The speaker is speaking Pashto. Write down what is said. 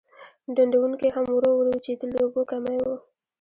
ډنډونکي هم ورو ورو وچېدل د اوبو کمی و.